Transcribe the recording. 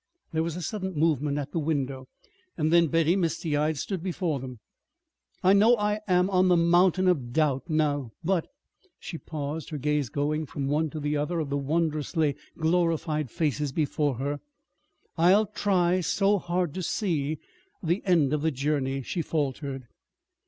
There was a sudden movement at the window. Then Betty, misty eyed, stood before them. "I know I am on the mountain of doubt now, but" she paused, her gaze going from one to the other of the wondrously glorified faces before her "I'll try so hard to see the end of the journey," she faltered.